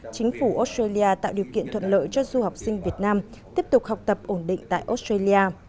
chính phủ australia tạo điều kiện thuận lợi cho du học sinh việt nam tiếp tục học tập ổn định tại australia